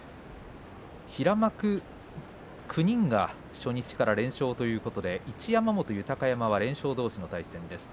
平幕９人が初日から連勝ということで一山本、豊山は全勝どうしの対戦です。